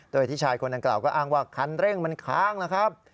โดยที่ชายคนดังกล่าวก็อ้างว่าคันเร่งมันค้างนะครับ